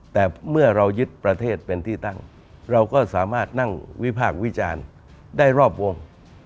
แต่เมื่อเรายึดประเทศเป็นที่ตั้งเราก็สามารถนั่งวิพากษ์วิจารณ์ได้รอบวง